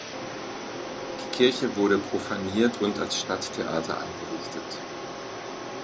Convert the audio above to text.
Die Kirche wurde profaniert und als Stadttheater eingerichtet.